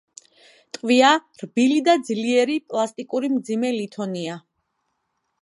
ტყვია რბილი და ძლიერ პლასტიკური მძიმე ლითონია.